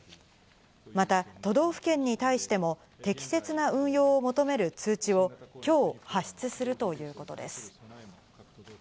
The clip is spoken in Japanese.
また都道府県に対しても適切な運用を求める通知を今日発出するということです。